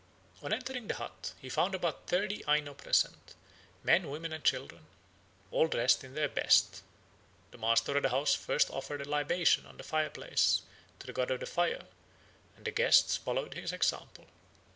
On entering the hut he found about thirty Aino present, men, women, and children, all dressed in their best. The master of the house first offered a libation on the fireplace to the god of the fire, and the guests followed his example.